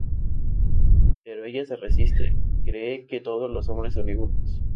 Pero ella se resiste, cree que todos los hombres son iguales.